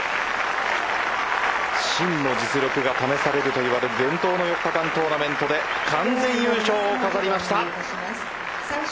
真の実力が試されると言われている伝統の４日間トーナメントで完全優勝を飾りました。